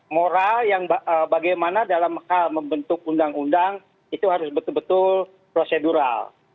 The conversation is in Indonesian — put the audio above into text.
moral yang bagaimana dalam hal membentuk undang undang itu harus betul betul prosedural